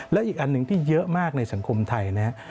และอีกอันหนึ่งที่เยอะมากในสังคมไทยนะครับ